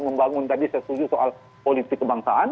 membangun tadi sesuai soal politik kebangsaan